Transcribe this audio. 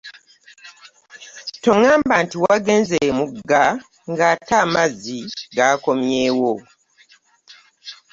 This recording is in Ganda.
Tongamba nti wagnze emmugga ngaate amazzi gakomyeewo.